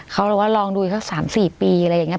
เขาเลยว่าลองดูอีกสัก๓๔ปีอะไรอย่างนี้